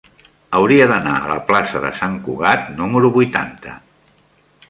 Hauria d'anar a la plaça de Sant Cugat número vuitanta.